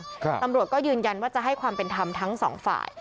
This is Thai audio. ตำรวจก็ยืนยันว่าจะให้ความเป็นธรรมทั้งสองฝ่าย